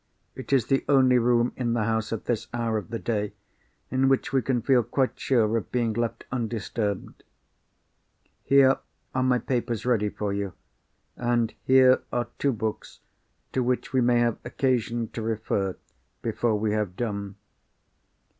"It is the only room in the house, at this hour of the day, in which we can feel quite sure of being left undisturbed. Here are my papers ready for you; and here are two books to which we may have occasion to refer, before we have done.